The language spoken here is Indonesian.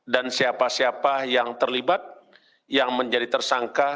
dan siapa siapa yang terlibat yang menjadi tersangka